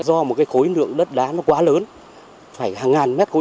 do một khối lượng đất đá quá lớn phải hàng ngàn mét khối